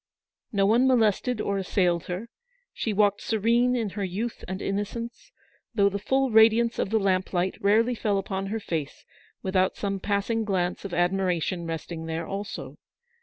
No one molested or assailed her — she walked serene in her youth and innocence ; though the full radiance of the lamplight rarely fell upon her face without some passing glance of admiration resting there also.